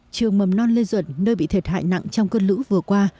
trường mầm non lê duẩn nơi bị thiệt hại nặng trong cơn lũ vừa qua